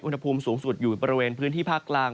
อุณหภูมิสูงสุดอยู่บริเวณพื้นที่ภาคกลาง